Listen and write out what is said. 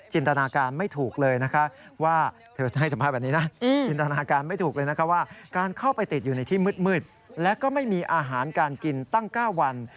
จินตนาการไม่ถูกเลยว่าการเข้าไปติดอยู่ในที่มืดและก็ไม่มีอาหารการกินตั้ง๙วัน